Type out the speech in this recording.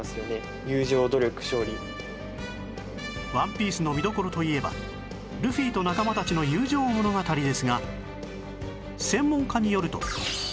『ＯＮＥＰＩＥＣＥ』の見どころといえばルフィと仲間たちの友情物語ですが